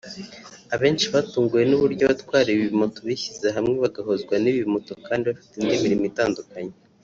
Abenshi batunguwe n’uburyo abatwara ibi bimoto bishyize hamwe bagahuzwa n’ibi bimoto kandi bafite indi mirimo itandukanye